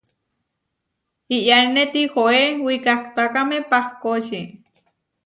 iʼyánine tihoé wikahtákame pahkóči.